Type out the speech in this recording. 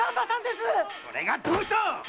それがどうした！